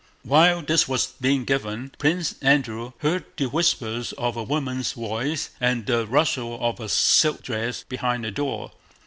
While this was being given, Prince Andrew heard the whisper of a woman's voice and the rustle of a silk dress behind the door.